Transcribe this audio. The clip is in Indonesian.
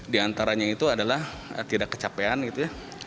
di antaranya itu adalah tidak kecapean gitu ya